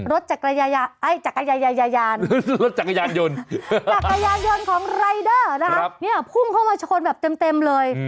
รถจักรยายยาเอ้ยจักรยายยายยานจักรยายยานยนต์จักรยายยนต์ของรายเดอร์นะคะเนี่ยพุ่งเข้ามาชนแบบเต็มเลย